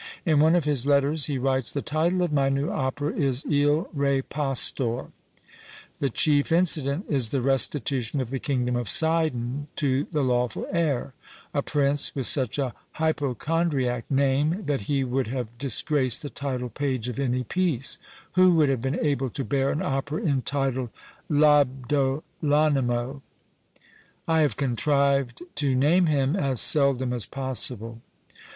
In one of his letters he writes, "The title of my new opera is Il Re Pastor. The chief incident is the restitution of the kingdom of Sidon to the lawful heir: a prince with such a hypochondriac name, that he would have disgraced the title page of any piece; who would have been able to bear an opera entitled L'Abdolonimo? I have contrived to name him as seldom as possible."